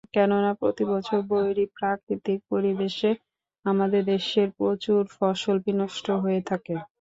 কেননা, প্রতিবছর বৈরী প্রাকৃতিক পরিবেশে আমাদের দেশের প্রচুর ফসল বিনষ্ট হয়ে থাকে।